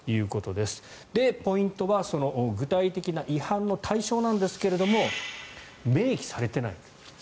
で、ポイントは具体的な違反の対象なんですが明記されていない。